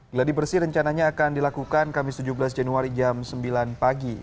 geladi bersih rencananya akan dilakukan kamis tujuh belas januari jam sembilan pagi